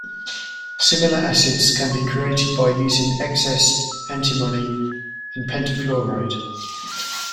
Similar acids can be created by using excess antimony pentafluoride.